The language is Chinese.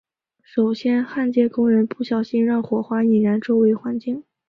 首先焊接工人不小心让火花引燃周围环境。